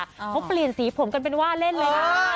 เขาเปลี่ยนสีผมกันเป็นว่าเล่นเลยนะ